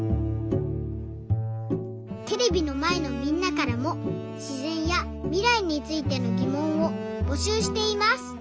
テレビのまえのみんなからもしぜんやみらいについてのぎもんをぼしゅうしています。